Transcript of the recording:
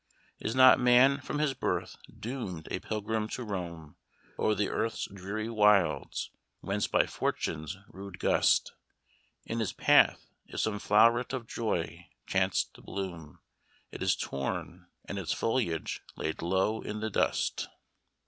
Is not man from his birth doomed a pilgrim to roam O'er the world's dreary wilds, whence by fortune's rude gust. In his path, if some flowret of joy chanced to bloom, It is torn and its foliage laid low in the dust."